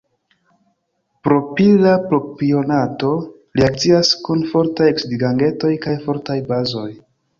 Propila propionato reakcias kun fortaj oksidigagentoj kaj fortaj bazoj.